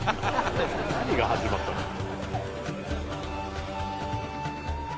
何が始まったのよ。